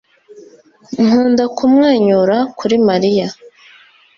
Nkunda kumwenyura kuri Mariya